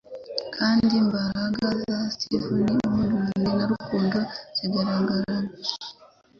kandi imbaraga za Stevie Wonder na Rukundo ziragaragara